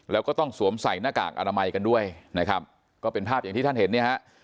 แล้วก็ต้องสวมใส่หน้ากากอนามัยกันด้วยนะครับก็เป็นภาพอย่างที่ท่านเห็นเนี่ยฮะ